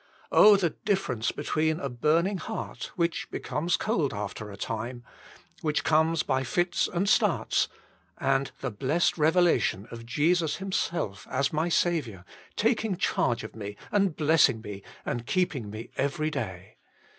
" Oh, the difference be tween a burning heart, which becomes cold after a time, which comes by fits and starts, and the blessed revelation of Jesus Himself as my Saviour, taking charge of me and blessing me and keeping me every day!